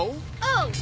うん。